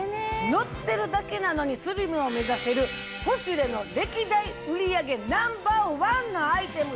乗ってるだけなのにスリムを目指せる『ポシュレ』の歴代売り上げナンバーワンのアイテムですよ。